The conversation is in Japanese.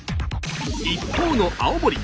一方の青森。